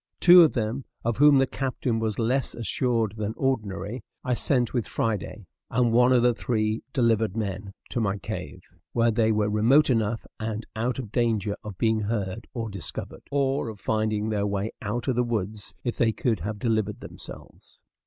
Two of them, of whom the captain was less assured than ordinary, I sent with Friday, and one of the three delivered men, to my cave, where they were remote enough, and out of danger of being heard or discovered, or of finding their way out of the woods if they could have delivered themselves.